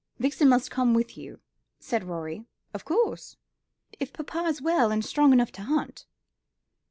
"Vixen must come with you," said Rorie. "Of course." "If papa is well and strong enough to hunt."